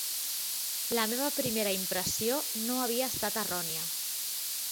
La meva primera impressió no havia estat errònia